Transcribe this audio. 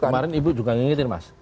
kemarin ibu juga ngingetin mas